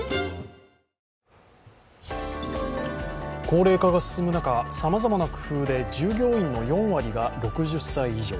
高齢化が進む中、さまざまな工夫で従業員の４割が６０歳以上。